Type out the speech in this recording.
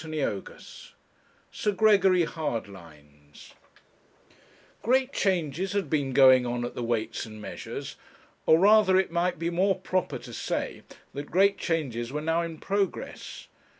CHAPTER VI SIR GREGORY HARDLINES Great changes had been going on at the Weights and Measures; or rather it might be more proper to say that great changes were now in progress.